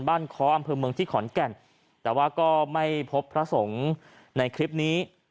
ค้ออำเภอเมืองที่ขอนแก่นแต่ว่าก็ไม่พบพระสงฆ์ในคลิปนี้